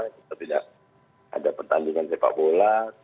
kita tidak ada pertandingan sepak bola